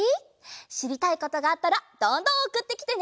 しりたいことがあったらどんどんおくってきてね！